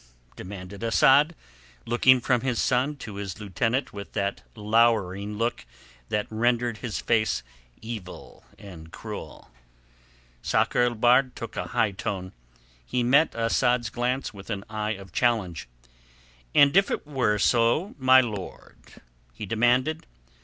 demanded Asad, looking from his son to his lieutenant with that lowering look that rendered his face evil and cruel. Sakr el Bahr took a high tone. He met Asad's glance with an eye of challenge. "And if it were so my lord?" he demanded.